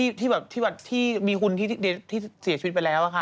ก็เชื่อว่าอย่างว่าที่มีคุณที่เสียชีวิตไปแล้วอะค่ะ